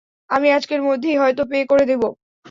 আমি আজকের মধ্যেই হয়ত পে করে দিবো।